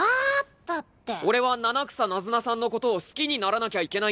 俺は七草ナズナさんのことを好きにならなきゃいけないんです。